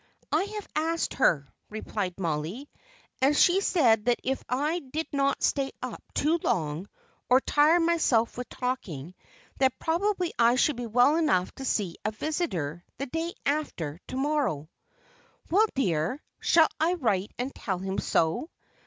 "I have asked her," replied Mollie. "And she said that if I did not stay up too long, or tire myself with talking, that probably I should be well enough to see a visitor, the day after to morrow." "Well, dear, shall I write and tell him so?